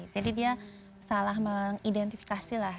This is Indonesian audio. jadi dia salah mengidentifikasi lah